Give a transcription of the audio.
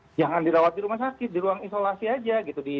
jangan dirawat di rumah sakit di ruang isolasi saja